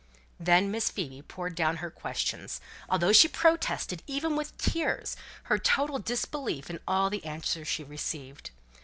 Then Miss Phoebe poured down her questions, although she protested, even with tears, her total disbelief in all the answers she received.